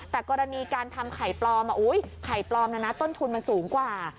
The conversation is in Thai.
แต่กรณีการทำไข่ปลอมไข่ปลอมนะนะต้นทุนมันสูงกว่า